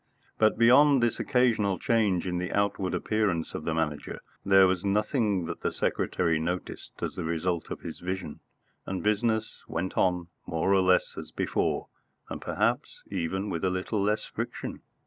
But, beyond this occasional change in the outward appearance of the Manager, there was nothing that the secretary noticed as the result of his vision, and business went on more or less as before, and perhaps even with a little less friction.